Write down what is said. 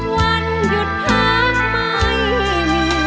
วันหยุดพักไม่มี